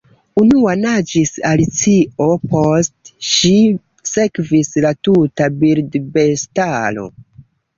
Unua naĝis Alicio; post ŝi sekvis la tuta birdbestaro.